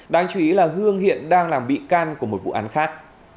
đáng chú ý là hương hiện đang làm bị can của một vụ án khác